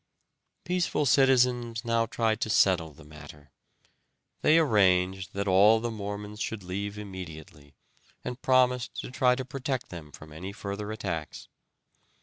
Peaceful citizens now tried to settle the matter. They arranged that all the Mormons should leave immediately, and promised to try to protect them from any further attacks.